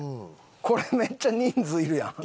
これめっちゃ人数いるやん。